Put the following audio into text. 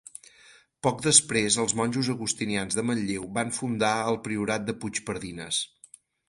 Poc després els monjos agustinians de Manlleu van fundar el Priorat de Puigpardines.